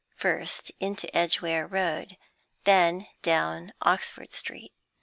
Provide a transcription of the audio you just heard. First into Edgware Road, then down Oxford Street.